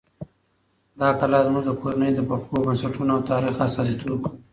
دا کلا زموږ د کورنۍ د پخو بنسټونو او تاریخ استازیتوب کوي.